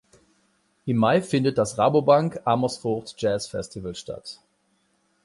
Im Mai findet das Rabobank Amersfoort Jazz Festival statt.